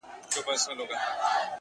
څه وکړمه څنگه چاته ښه ووايم!!